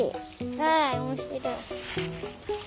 わあおもしろい。